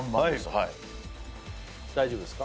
はい大丈夫ですか？